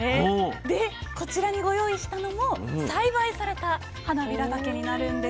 でこちらにご用意したのも栽培されたはなびらたけになるんです。